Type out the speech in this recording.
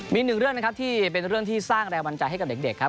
มีหนึ่งเรื่องนะครับที่เป็นเรื่องที่สร้างแรงบันใจให้กับเด็กครับ